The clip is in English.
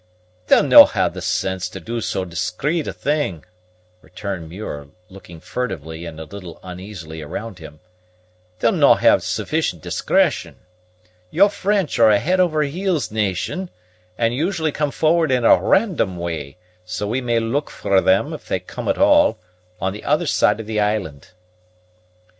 "They'll no' have the sense to do so discreet a thing," returned Muir, looking furtively and a little uneasily around him; "they'll no' have sufficient discretion. Your French are a head over heels nation, and usually come forward in a random way; so we may look for them, if they come at all, on the other side of the island."